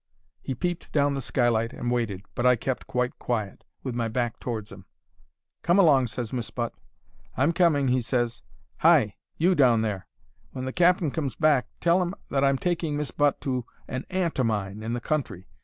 "He peeped down the skylight and waited, but I kept quite quiet, with my back towards 'im. "'Come along,' ses Miss Butt. "'I'm coming,' he ses. 'Hi! You down there! When the cap'n comes back tell 'im that I'm taking Miss Butt to an aunt o' mine in the country.